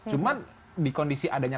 cuma di kondisi adanya